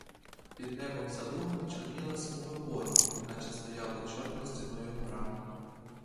Під небом за лугами чорніла смуга бору, неначе стояла чорною стіною гора.